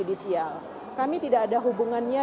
judisial kami tidak ada hubungannya